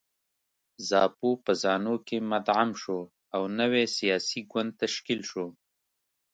زاپو په زانو کې مدغم شو او نوی سیاسي ګوند تشکیل شو.